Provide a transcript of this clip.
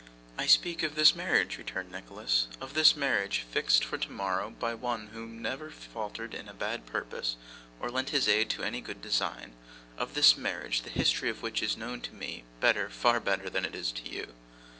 'I speak of this marriage,' returned Nicholas, 'of this marriage, fixed for tomorrow, by one who never faltered in a bad purpose, or lent his aid to any good design; of this marriage, the history of which is known to me, better, far better, than it is to you.